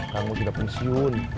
kamu sudah pensiun